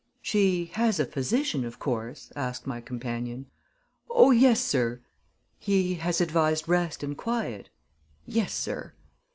"She has a physician, of course?" asked my companion. "Oh, yes, sir." "He has advised rest and quiet?" "Yes, sir."